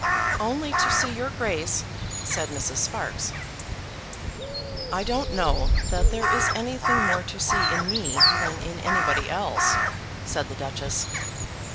"Only to see your Grace," said Mrs. Sparkes. "I don't know that there is anything more to see in me than in anybody else," said the Duchess.